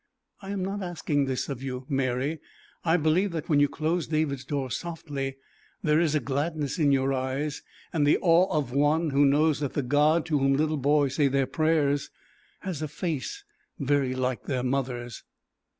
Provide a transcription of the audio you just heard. I am not asking this of you, Mary. I believe that when you close David's door softly there is a gladness in your eyes, and the awe of one who knows that the God to whom little boys say their prayers has a face very like their mother's.